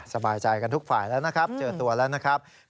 สบายใจกันทุกฝ่ายแล้วนะครับเจอตัวแล้วนะครับ